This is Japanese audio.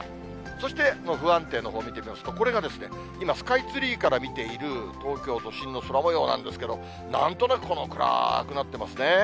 そして、不安定のほう見てみますと、これが、今、スカイツリーから見ている東京都心の空もようなんですけれども、なんとなくこの暗くなってますね。